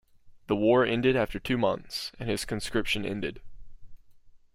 The war ended after two months and his conscription ended.